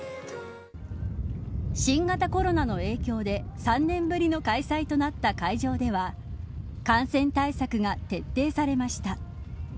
新型コロナの影響で３年ぶりの開催となった会場では感染対策が徹底されました。